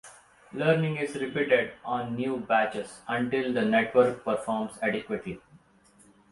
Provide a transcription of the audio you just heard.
Learning is repeated (on new batches) until the network performs adequately.